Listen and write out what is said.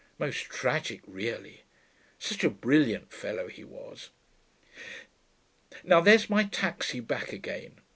Most tragic, really; such a brilliant fellow he was.... Now there's my taxi back again.